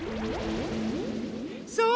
そう！